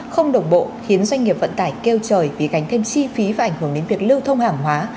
không đồng bộ khiến doanh nghiệp vận tải kêu trời vì gánh thêm chi phí và ảnh hưởng đến việc lưu thông hàng hóa